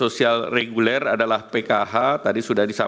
ini juga diberlakukan januari dua ribu dua puluh empat